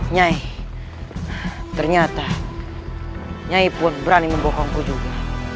nyai ternyata nyai pun berani membongkangku juga